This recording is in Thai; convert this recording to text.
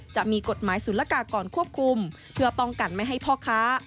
จะมีกฎหมายศูนย์ละกากรควบคุมเพื่อป้องกันไม่ให้พ่อค้า